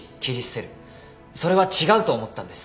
それは違うと思ったんです。